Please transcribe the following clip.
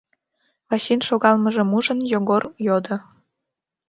— Вачин шогалмыжым ужын, Йогор йодо.